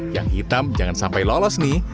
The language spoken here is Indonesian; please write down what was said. yang hitam jangan sampai lolos nih